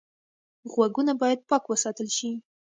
غوږونه باید پاک وساتل شي